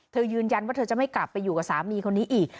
ยืนยันว่าเธอจะไม่กลับไปอยู่กับสามีคนนี้อีก